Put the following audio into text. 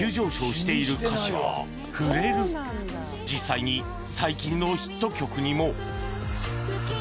実際に最近のヒット曲にも